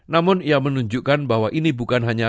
namun ia menunjukkan bahwa ini bukan hanya